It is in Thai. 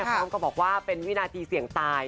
พร้อมกับบอกว่าเป็นวินาทีเสี่ยงตาย